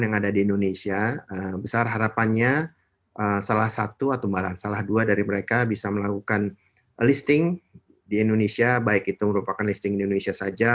yang ada di indonesia besar harapannya salah satu atau salah dua dari mereka bisa melakukan listing di indonesia baik itu merupakan listing di indonesia saja